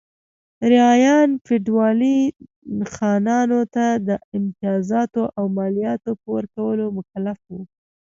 رعایا فیوډالي خانانو ته د امتیازاتو او مالیاتو په ورکولو مکلف و.